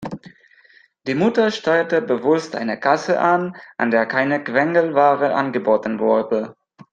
Die Mutter steuerte bewusst eine Kasse an, an der keine Quengelware angeboten wurde.